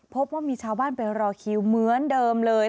พบว่ามีชาวบ้านไปรอคิวเหมือนเดิมเลย